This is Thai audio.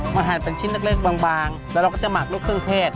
หั่นเป็นชิ้นเล็กบางแล้วเราก็จะหมักลูกเครื่องเทศ